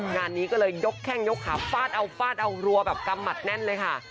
งานนี้ก็เลยยกแข้งยกขาฟาดเอาฟาดเอารัวแบบกำหมัดแน่นเลยค่ะ